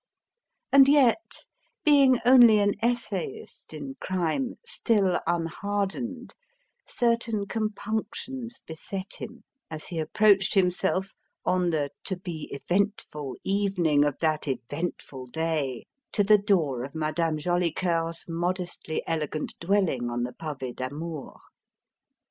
And yet being only an essayist in crime, still unhardened certain compunctions beset him as he approached himself, on the to be eventful evening of that eventful day, to the door of Madame Jolicoeur's modestly elegant dwelling on the Pavé d'Amour.